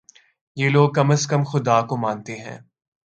یہ لوگ کم از کم خدا کو مانتے ہیں۔